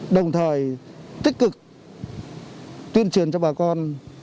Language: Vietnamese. đồng thời tích cực tuyên truyền cho bà con